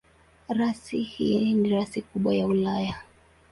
Rasi hii ni rasi kubwa ya Ulaya.